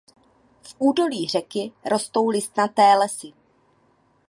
V údolí řeky rostou listnaté lesy.